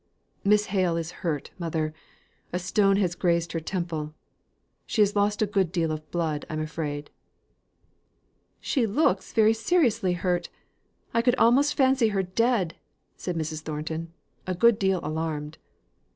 "Miss Hale is hurt, mother. A stone has grazed her temple. She has lost a good deal of blood, I'm afraid." "She looks very seriously hurt, I could almost fancy her dead," said Mrs. Thornton, a good deal alarmed.